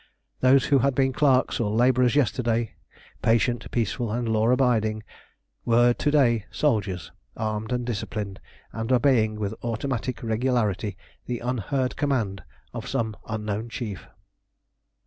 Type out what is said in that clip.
Those who had been clerks or labourers yesterday, patient, peaceful, and law abiding, were to day soldiers, armed and disciplined, and obeying with automatic regularity the unheard command of some unknown chief.